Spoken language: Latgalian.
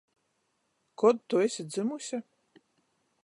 Kod tu esi dzymuse?